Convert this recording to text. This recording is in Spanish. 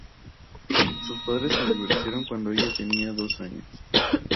Sus padres se divorciaron cuando ella tenía dos años.